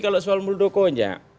kalau soal muldokonya